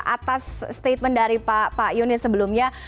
atas statement dari pak yunis sebelumnya